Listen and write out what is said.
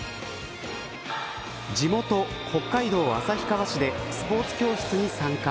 地元、北海道旭川市でスポーツ教室に参加。